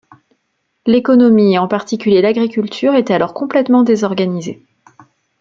L'économie, et en particulier l'agriculture, est alors complètement désorganisée.